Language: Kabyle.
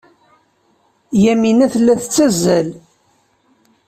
Yamina tella tettazzal.